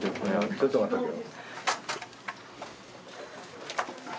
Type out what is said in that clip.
ちょっと待っとけよ。